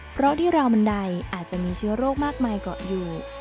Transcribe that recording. เพราะที่ราวบันไดอาจจะมีเชื้อโรคมากมายเกาะอยู่